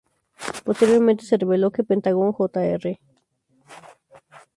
Posteriormente, se reveló que Pentagón Jr.